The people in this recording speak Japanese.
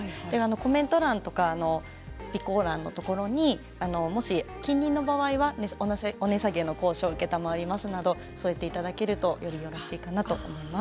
コメント欄とか備考欄のところにもし近隣の場合はお値下げの交渉を承りますなど添えていただけるとよりいいかなと思います。